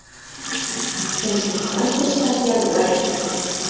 Уж махань тӹштӓк йӓл гань!